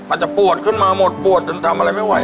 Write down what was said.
อาจจะปวดขึ้นมาหมดปวดจนทำอะไรไม่ไหว